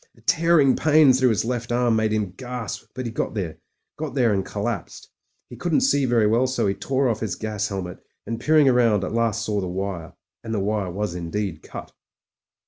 A tearing pain through his left arm made him gasp, but he got there — got there and collapsed. He couldn't see very well, so he tore off his gas helmet, and, peering round, at last saw the wire. And the wire was indeed cut.